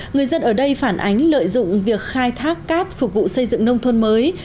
người dân ở đây phản ánh lợi dụng việc khai thác cát phục vụ xây dựng nông thôn mới